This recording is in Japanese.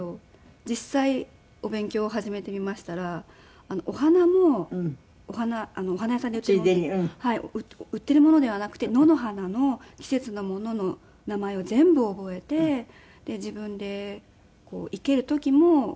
実際お勉強を始めてみましたらお花もお花屋さんに売っているものではなくて野の花の季節のものの名前を全部覚えて自分で生ける時も工夫をして。